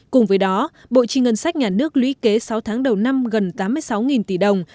cùng với đó bộ chi ngân sách nhà nước lũy kế sáu tháng đầu năm gần tám mươi sáu tỷ đồng